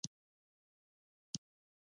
آزاد تجارت مهم دی ځکه چې واکسینونه رسوي.